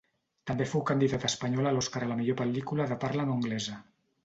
També fou candidata espanyola a l'Oscar a la millor pel·lícula de parla no anglesa.